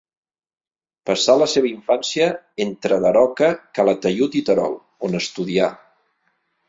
Passà la seva infància entre Daroca, Calataiud i Terol, on estudià.